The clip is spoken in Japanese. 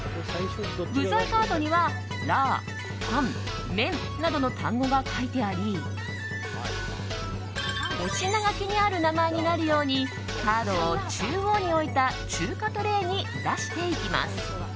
具材カードにはラー、タンメンなどの単語が書いてありお品書きにある名前になるようにカードを中央に置いた中華トレーに出していきます。